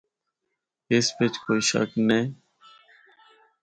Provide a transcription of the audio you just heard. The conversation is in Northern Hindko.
اس بچ کوئی شک نیں۔